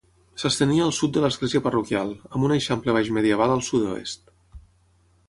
S'estenia al sud de l'església parroquial, amb un eixample baixmedieval al sud-oest.